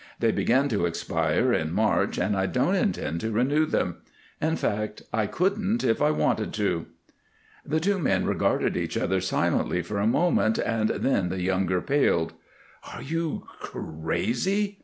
They begin to expire in March, and I don't intend to renew them. In fact, I couldn't if I wanted to." The two men regarded each other silently for a moment, then the younger paled. "Are you crazy?"